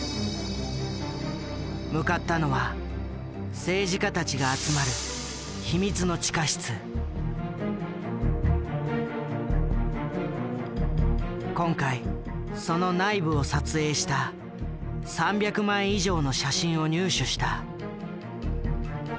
向かったのは政治家たちが集まる今回その内部を撮影した３００枚以上の写真を入手した。